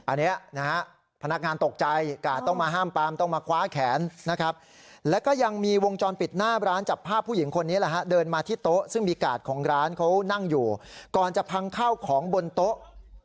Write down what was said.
อันนี้นะฮะพนักงานตกใจกาดต้องมาห้ามปามต้องมาคว้าแขนนะครับแล้วก็ยังมีวงจรปิดหน้าร้านจับภาพผู้หญิงคนนี้แหละฮะเดินมาที่โต๊ะซึ่งมีกาดของร้านเขานั่งอยู่ก่อนจะพังข้าวของบนโต๊ะ